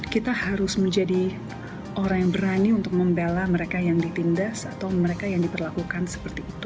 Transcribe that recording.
kita harus menjadi orang yang berani untuk membela mereka yang ditindas atau mereka yang diperlakukan seperti itu